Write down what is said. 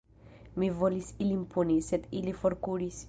Mi volis ilin puni, sed ili forkuris.